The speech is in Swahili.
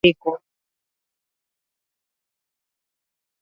Mvua nyingi zinazoambatana na mafuriko hupelekea ugonjwa wa homa ya bonde la ufa